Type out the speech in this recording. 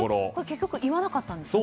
結局、言わなかったんですか。